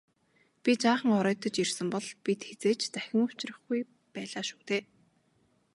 Би жаахан оройтож ирсэн бол бид хэзээ ч дахин учрахгүй байлаа шүү дээ.